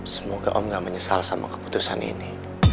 semoga om gak menyesal sama keputusan ini